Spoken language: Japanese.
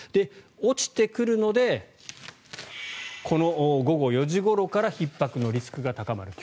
落ちてくるのでこの午後４時ごろからひっ迫のリスクが高まると。